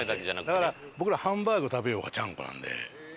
だから僕らハンバーグ食べようがちゃんこなんで。